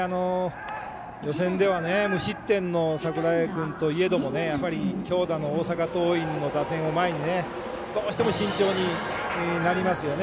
予選では無失点の櫻井君とはいえ強打の大阪桐蔭の打線を前にどうしても慎重になりますよね。